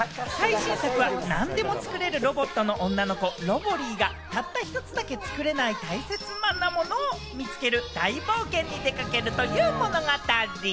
最新作は何でも作れるロボットの女の子・ロボリィがたった１つだけ作れない大切なものを見つける大冒険に出掛けるという物語。